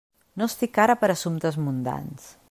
No estic ara per a assumptes mundans.